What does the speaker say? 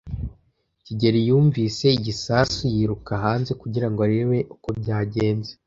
kigeli yumvise igisasu yiruka hanze kugira ngo arebe uko byagenze.